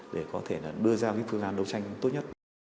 để có thể là đưa ra cái phương án đấu tranh tốt nhất